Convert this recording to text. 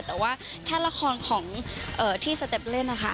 แต่ว่าแค่ละครของที่สเต็ปเล่นนะคะ